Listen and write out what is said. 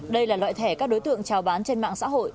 đây là loại thẻ các đối tượng trào bán trên mạng xã hội